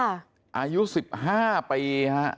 อายุ๑๕ปีฮะ